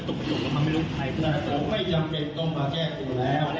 แต่ผมไม่จำเป็นต้องมาแจกตัวแล้ว